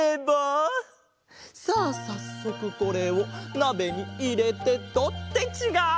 さっそくこれをなべにいれてと。ってちがう！